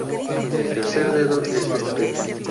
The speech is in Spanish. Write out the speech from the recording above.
El tercer dedo es estrecho.